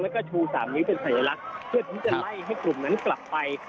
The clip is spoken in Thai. แล้วก็ชู๓นิ้วเป็นสัญลักษณ์เพื่อที่จะไล่ให้กลุ่มนั้นกลับไป